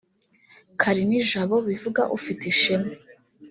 Kalinijabo bivuga ufite ishema